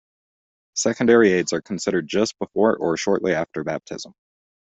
Secondary aids are considered just before or shortly after baptism.